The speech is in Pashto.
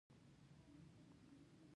د تېښتې په وخت زموږ ملګرو پېژندلى و.